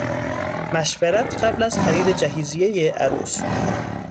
مشورت قبل از خرید جهیزیه عروس